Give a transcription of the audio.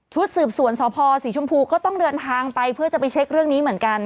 สืบสวนสพศรีชมพูก็ต้องเดินทางไปเพื่อจะไปเช็คเรื่องนี้เหมือนกัน